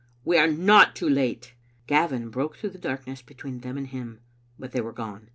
" We are not too late." Gavin broke through the darkness between them and him, but they were gone.